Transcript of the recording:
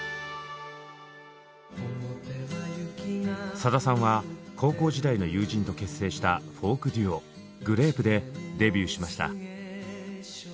さださんは高校時代の友人と結成したフォークデュオ「グレープ」でデビューしました。